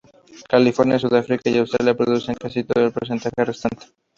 California, Sudáfrica y Australia producen casi todo el porcentaje restante.